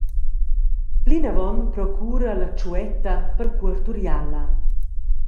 Plinavon procura «La tschuetta» per cuort’uriala.